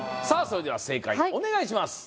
それでは正解をお願いします